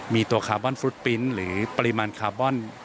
มีตัวคาร์บอนฟุตปินส์หรือปริมาณคาร์บอน